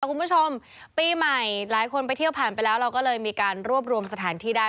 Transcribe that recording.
คุณผู้ชมปีใหม่หลายคนไปเที่ยวผ่านไปแล้วเราก็เลยมีการรวบรวมสถานที่ได้